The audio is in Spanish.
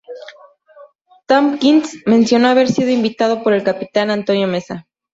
Tompkins mencionó haber sido invitado por el capitán Antonio Meza.